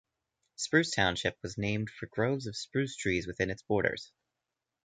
Spruce Township was named for groves of spruce trees within its borders.